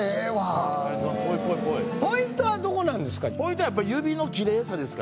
ポイントはどこなんですか？